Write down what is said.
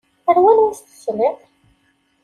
Ar wanwa i s-tesliḍ?